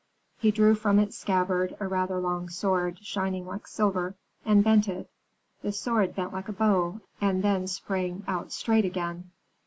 He drew from its scabbard a rather long sword, shining like silver, and bent it. The sword bent like a bow, and then sprang out straight again.